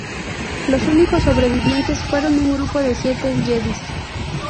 Los únicos sobrevivientes fueron un grupo de siete Jedis.